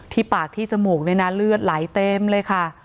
ปากที่จมูกเนี่ยนะเลือดไหลเต็มเลยค่ะ